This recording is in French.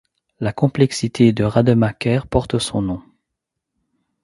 La complexité de Rademacher porte son nom.